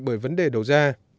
bởi vấn đề đầu ra